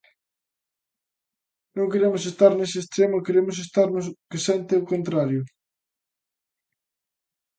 Non queremos estar nese extremo, queremos estar no que sente o contrario.